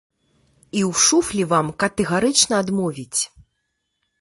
І ў шуфлі вам катэгарычна адмовіць.